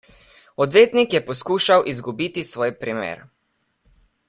Odvetnik je poskušal izgubiti svoj primer.